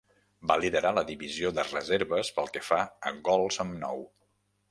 Va liderar la divisió de reserves pel que fa a gols amb nou.